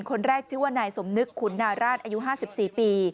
คนแรกชื่อว่านายสมนึกขุนนาราชอายุ๕๔ปี